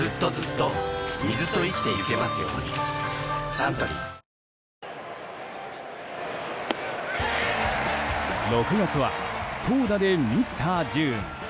サントリー６月は投打でミスター・ジューン！